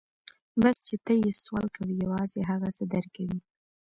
بس چې ته يې سوال کوې يوازې هغه څه در کوي.